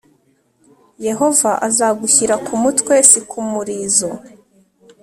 yehova azagushyira ku mutwe; si ku murizo.